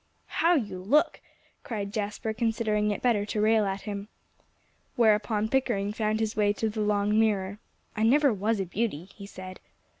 "How you look!" cried Jasper, considering it better to rail at him. Whereupon Pickering found his way to the long mirror. "I never was a beauty," he said.